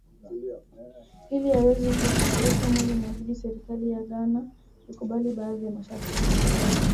Ili aweze kuusafirisha mwili inabidi serikali ya Ghana ikubali baadhi ya masharti